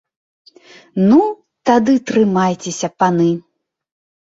Ну, тады трымайцеся, паны!